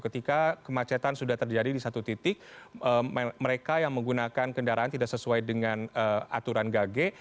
ketika kemacetan sudah terjadi di satu titik mereka yang menggunakan kendaraan tidak sesuai dengan aturan gage